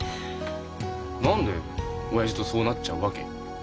何で親父とそうなっちゃうわけ？